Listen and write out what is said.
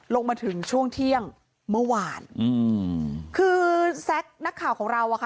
ลงมาถึงช่วงเที่ยงเมื่อวานอืมคือแซ็กนักข่าวของเราอ่ะค่ะ